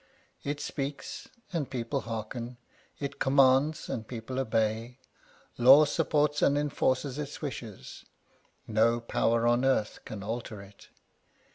It speaks, and people hearken ; it commands, and people obey; law supports and enforces its wishes ; no power on earth can alter it.